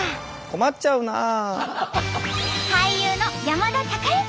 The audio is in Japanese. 困っちゃうなあ。